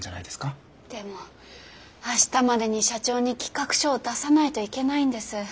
でも明日までに社長に企画書を出さないといけないんです。